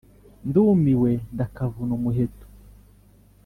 Ndumiwe ndakavuna umuheto.